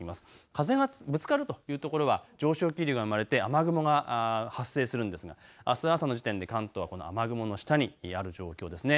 風がぶつかるというところは上昇気流が生まれて雨雲が発生するんですが、あす朝の時点で関東はこの雨雲の下にある状況ですね。